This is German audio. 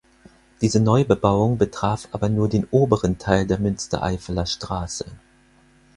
Diese Neubebauung betraf aber nur den oberen Teil der Münstereifeler Straße.